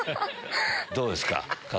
どうですか？